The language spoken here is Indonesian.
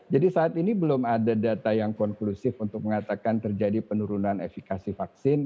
jadi saat ini belum ada data yang konklusif untuk mengatakan terjadi penurunan efikasi vaksin